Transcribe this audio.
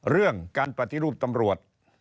เรื่องการปฏิรูปตำรวจ